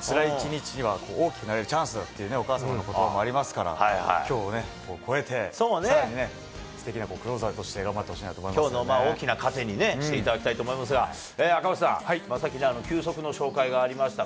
つらい一日には、大きくなれるチャンスだっていう、お母様のことばもありますから、きょうをね超えて、さらにすてきなクローザーとして頑張ってほしきょうの大きな糧にしていただきたいと思いますが、赤星さん、さっきね、球速のしょうかいがありました。